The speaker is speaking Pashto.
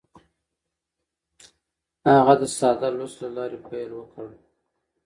هغه د ساده لوست له لارې پیل وکړ.